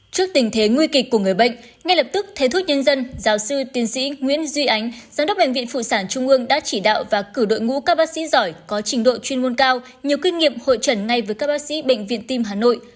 trước tình thế nguy kịch của người bệnh ngay lập tức thấy thuốc nhân dân giáo sư tiến sĩ nguyễn duy ánh giám đốc bệnh viện phụ sản trung ương đã chỉ đạo và cử đội ngũ các bác sĩ giỏi có trình độ chuyên môn cao nhiều kinh nghiệm hội trần ngay với các bác sĩ bệnh viện tim hà nội